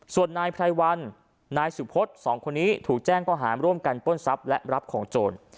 ส่วนนายไพรวัลนายสุพศ๒คนนี้ถูกแจ้งก็หาร่วมกันปล้นทรัพย์และรับของโจร